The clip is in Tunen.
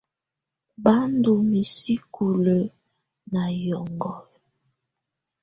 Bá ndɔ́ misí kulǝ́ na ƴɔŋhɔlɔ.